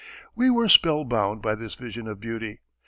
We were spell bound by this vision of beauty.